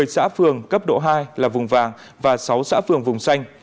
một mươi xã phường cấp độ hai là vùng vàng và sáu xã phường vùng xanh